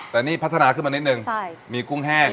แต่นี่พัฒนาขึ้นมานิดนึงมีกุ้งแห้ง